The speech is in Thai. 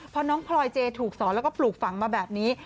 พอน้องพลอยเจถูกสอนแล้วก็ปลูกฝังมาแบบนี้